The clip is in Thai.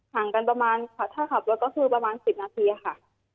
ห่างกันประมาณถ้าครับแล้วก็คือประมาณ๑๐นาทีค่ะ